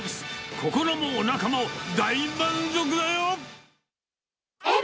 心もおなかも大満足だよ。